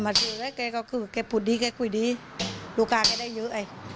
มาสมัยดีคือก็พูดก็คุยดีลูกค้าได้เยอะไง